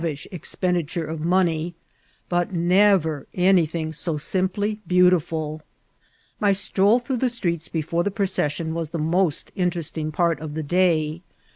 with kTish expenditure of money, but ne^er anjrthiag 80 simply beautiful. My stroll through the streets b^ fore the proeession was the most inlerestiiig part of the day.